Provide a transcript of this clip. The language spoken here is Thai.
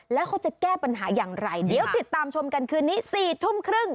แล้วเขาจะแก้ปัญหาอย่างไรเดี๋ยวติดตามชมกันคืนนี้๔ทุ่มครึ่ง